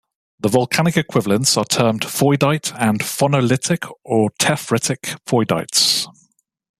The volcanic equivalents are termed "foidite" and "phonolitic or tephritic foidites".